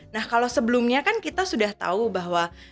nah kalau sebelumnya kan kita sudah tahu bahwa